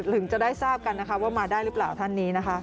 ถึงจะได้ทราบกันนะคะว่ามาได้หรือเปล่าท่านนี้นะคะ